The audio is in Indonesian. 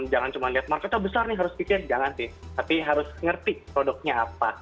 jangan cuma lihat marketnya besar nih harus pikir jangan sih tapi harus ngerti produknya apa